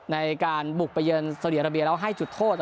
ในการบุกไปเยินเสดี่ยรรมีได้จุดโทษ